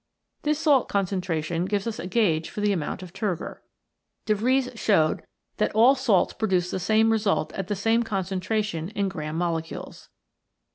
This salt concentration gives us a gauge for the amount of turgor. De Vries showed that all salts produce the same result at the same concentration in gramm molecules.